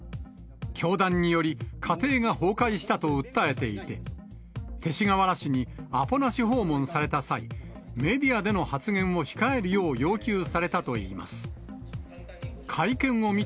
教団により、家庭が崩壊したと訴えていて、勅使河原氏にアポなし訪問された際、メディアでの発言を控えるよう要求されたといいます。